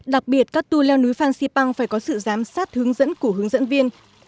đặc biệt các tour leo núi phan xipang phải có sự giám sát hướng dẫn của hướng dẫn viên